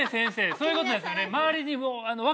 そういうことですよね？